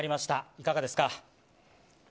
いかがですか。